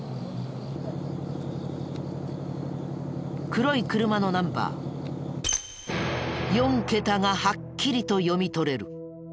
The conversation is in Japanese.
黒い車のナンバー４桁がはっきりと読み取れる。